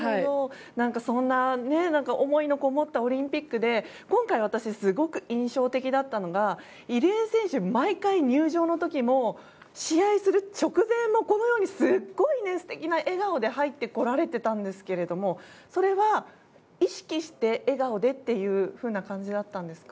そんな思いのこもったオリンピックで今回、私すごく印象的だったのが入江選手、毎回入場の時も試合する直前もこのようにすごい素敵な笑顔で入ってこられていたんですがそれは、意識して笑顔でという感じだったんですか？